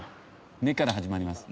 「ネ」から始まります。